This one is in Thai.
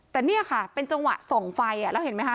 แต่เนี่ยค่ะเป็นจังหวะส่องไฟ